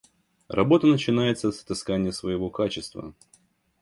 Работа начинается с отыскания своего качества.